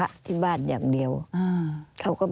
อันดับ๖๓๕จัดใช้วิจิตร